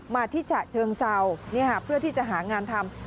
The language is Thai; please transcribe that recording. มาที่ชะเชิงเศร้านี่ค่ะเพื่อที่จะหางานทำ